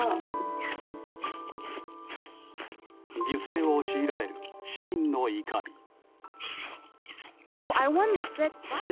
犠牲を強いられる市民の怒り。